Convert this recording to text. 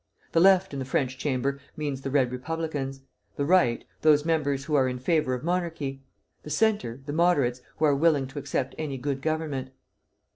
The Left in the French Chamber means the Red Republicans; the Right, those members who are in favor of monarchy; the Centre, the Moderates, who are willing to accept any good government.